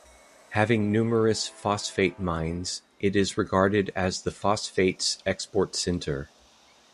Having numerous phosphate mines, it is regarded as the phosphates export center.